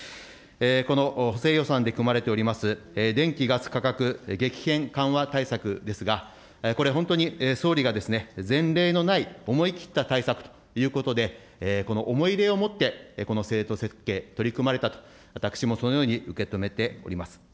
この補正予算で組まれております、電気・ガス価格激変緩和対策ですが、これ、本当に総理が前例のない思い切った対策ということで、この思い入れを持って、この制度設計、取り組まれたと、私もそのように受け止めております。